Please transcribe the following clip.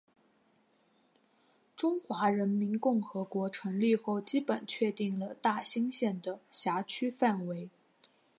中华人民共和国成立后基本确定了大兴县的辖区范围。